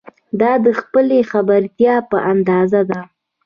دا د خپلې خبرتیا په اندازه ده.